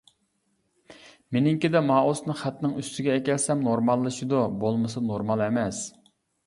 مېنىڭكىدە مائۇسنى خەتنىڭ ئۈستىگە ئەكەلسەم نورماللىشىدۇ. بولمىسا نورمال ئەمەس.